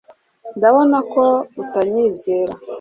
Ndabona ko utanyizera